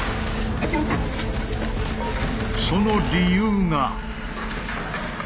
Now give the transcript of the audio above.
その理由が。